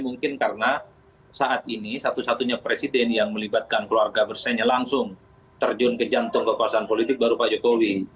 mungkin karena saat ini satu satunya presiden yang melibatkan keluarga bersenya langsung terjun ke jantung kekuasaan politik baru pak jokowi